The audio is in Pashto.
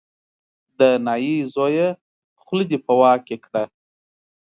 د نايي زویه خوله دې په واک کې کړه.